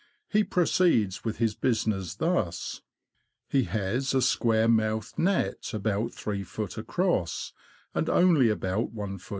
He proceeds with his business thus : He has a square mouthed net, about 3ft. across, and only about I ft.